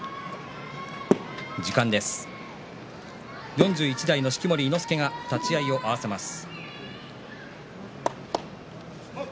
４１代の式守伊之助が立ち合いを合わせます。